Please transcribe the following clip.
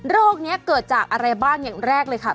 โรคนี้เกิดจากอะไรบ้างอย่างแรกเลยค่ะ